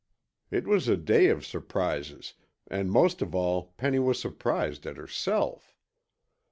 It was a day of surprises, and most of all Penny was surprised at herself.